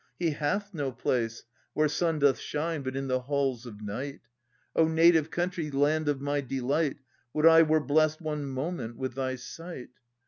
He hath no place Where sun doth shine, but in the halls of night. O native country, land of my delight, Would I were blest one moment with thy sight!